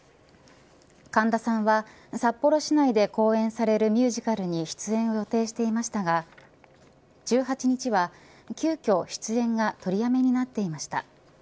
神田さんは札幌市内で公演されるミュージカルに出演を予定していましたが１８日は急きょ出演が取りやめになっていました。